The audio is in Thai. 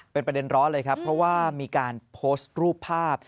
เป็นประเด็นร้อนเลยครับเพราะว่ามีการโพสต์รูปภาพ